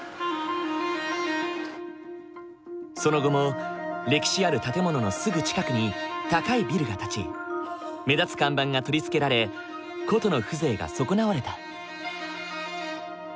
その後も歴史ある建物のすぐ近くに高いビルが建ち目立つ看板が取り付けられ古都の風情が損なわれた。